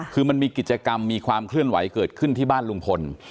คือมันมีกิจกรรมมีความเคลื่อนไหวเกิดขึ้นที่บ้านลุงพล